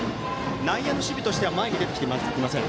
内野の守備としては前に出てきていません。